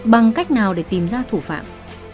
bằng cách nào để tìm ra thủ phạm